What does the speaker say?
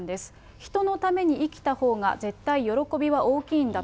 人のために生きたほうが絶対喜びは大きいんだと。